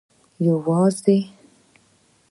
یوازي